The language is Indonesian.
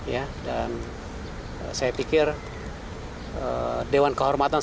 ya dan saya pikir dewan kehormatan